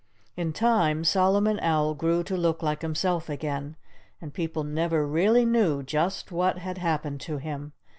In time Solomon Owl grew to look like himself again. And people never really knew just what had happened to him.